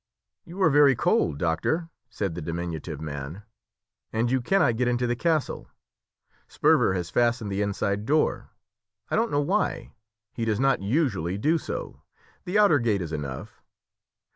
"You are very cold, doctor," said the diminutive man, "and you cannot get into the castle. Sperver has fastened the inside door, I don't know why; he does not usually do so; the outer gate is enough.